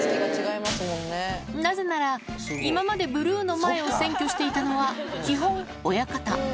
なぜなら、今までブルーの前を占拠していたのは基本、親方。